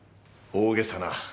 大げさな。